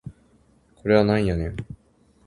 これはなんやねん